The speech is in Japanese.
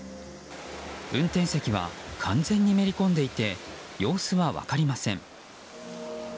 運転席は完全にめり込んでいて様子は分かりません。